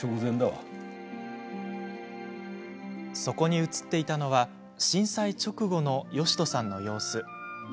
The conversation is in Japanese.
そこに写っていたのは震災直後の良人さんの様子。